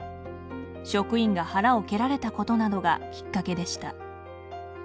職員が腹を蹴られたことなどがきっかけでした。